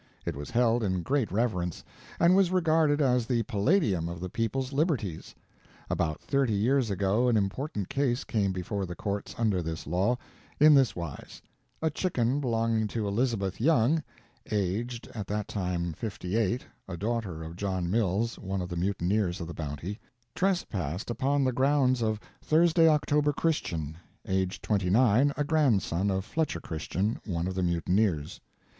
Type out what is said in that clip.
It was held in great reverence, and was regarded as the palladium of the people's liberties. About thirty years ago an important case came before the courts under this law, in this wise: a chicken belonging to Elizabeth Young (aged, at that time, fifty eight, a daughter of John Mills, one of the mutineers of the Bounty) trespassed upon the grounds of Thursday October Christian (aged twenty nine, a grandson of Fletcher Christian, one of the mutineers).